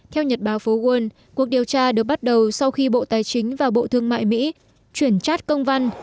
theo nhật báo phố quân cuộc điều tra được bắt đầu sau khi bộ tài chính và bộ thương mại mỹ chuyển chát công văn